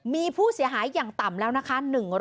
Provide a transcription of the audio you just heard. มีผู้เสียหายอย่างต่ำแล้วนะคะ